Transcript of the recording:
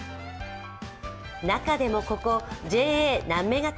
中でも、ここ、ＪＡなめがた